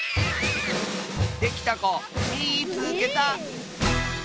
できたこみいつけた！